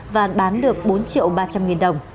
và bán được bốn triệu ba trăm linh nghìn đồng